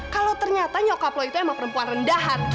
kalau ternyata nyokap lo itu emang perempuan rendahan